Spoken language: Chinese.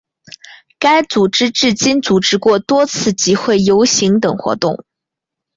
该社团至今组织过多次集会游行等活动。